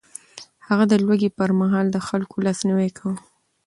هغه د لوږې پر مهال د خلکو لاسنيوی کاوه.